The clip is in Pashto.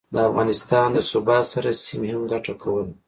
د افغانستان د ثبات سره، سیمې هم ګټه کوله